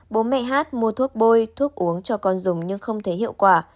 bố mẹ hát mua thuốc bôi thuốc uống cho con dùng nhưng không thấy hiệu quả